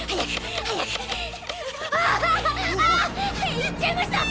行っちゃいました！